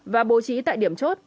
và bố trí tại điểm chốt